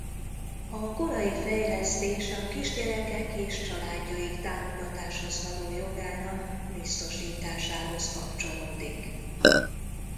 A korai fejlesztés a kisgyerekek és családjaik támogatáshoz való jogának biztosításához kapcsolódik.